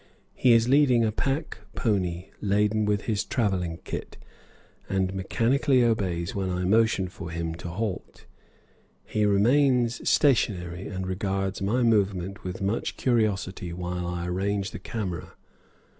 He is leading a pack pony laden with his travelling kit, and mechanically obeys when I motion for him to halt. He remains stationary, and regards my movements with much curiosity while I arrange the camera.